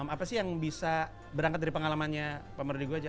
apa sih yang bisa berangkat dari pengalamannya pak mardigu aja